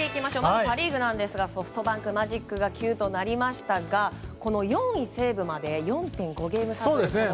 まずパ・リーグですがソフトバンクマジックが９となりましたが４位西武まで４．５ゲーム差なんですね。